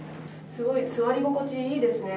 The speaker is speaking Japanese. すごい座り心地がいいですね。